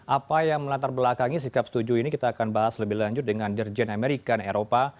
apa yang melatar belakangi sikap setuju ini kita akan bahas lebih lanjut dengan dirjen amerika eropa